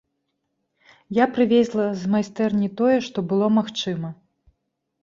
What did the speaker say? Я прывезла з майстэрні тое, што было магчыма.